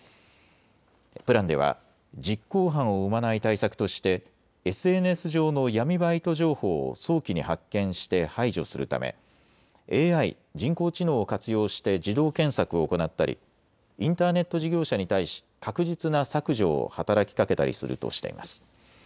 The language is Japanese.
プランでは実行犯を生まない対策としてＳＮＳ上の闇バイト情報を早期に発見して排除するためＡＩ・人工知能を活用して自動検索を行ったり、インターネット事業者に対し確実な削除を働きかけたりするとしています。